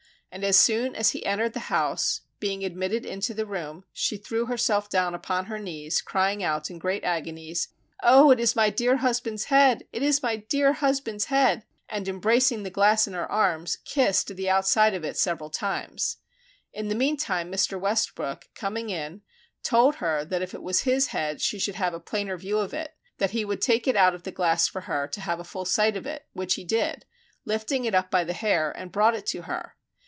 And as soon as he entered the house, being admitted into the room, she threw herself down upon her knees, crying out in great agonies, Oh, it is my dear husband's head! It is my dear husband's head! and embracing the glass in her arms kissed the outside of it several times. In the meantime Mr. Westbrook coming in, told her that if it was his head she should have a plainer view of it, that he would take it out of the glass for her to have a full sight of it, which he did, by lifting it up by the hair and brought it to her.